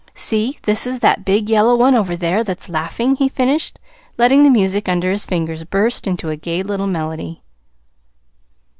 See, this is that big yellow one over there that's laughing," he finished, letting the music under his fingers burst into a gay little melody.